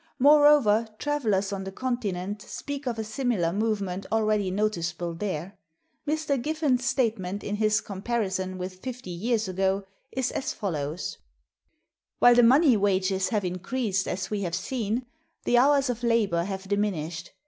Moreover, travelers on the Continent speak of a similar movement already noticeable there. Mr. Giffen's statement in his comparison(305) with fifty years ago, is as follows: "While the money wages have increased as we have seen, the hours of labor have diminished.